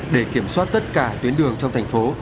để kiểm soát tất cả tuyến đường trong thành phố